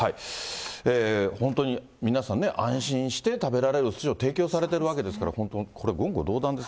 本当に皆さんね、安心して食べられるおすしを提供されてるわけですから、本当、これ、言語道断ですね。